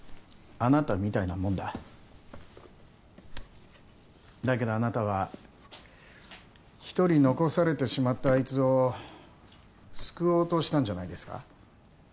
あなたみたいなもんだだけどあなたは一人残されてしまったあいつを救おうとしたんじゃないですか？